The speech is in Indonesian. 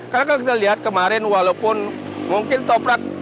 karena kalau kita lihat kemarin walaupun mungkin toprak kondisi